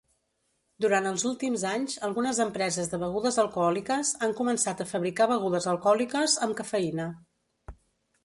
Durant els últims anys, algunes empreses de begudes alcohòliques han començat a fabricar begudes alcohòliques amb cafeïna.